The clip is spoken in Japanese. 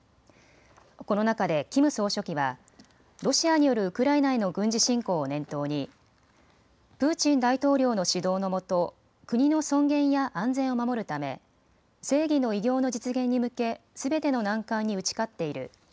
この中でキム総書記はロシアによるウクライナへの軍事侵攻を念頭にプーチン大統領の指導のもと国の尊厳や安全を守るため正義の偉業の実現に向けすべての難関に打ち勝っている。